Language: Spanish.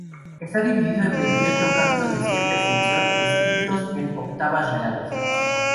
Está dividido en veintiocho cantos de cierta extensión, escritos en octavas reales.